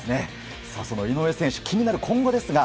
その井上選手気になる今後ですが